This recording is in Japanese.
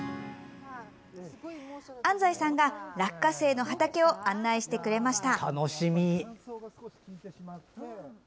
安西さんが、落花生の畑を案内してくれました。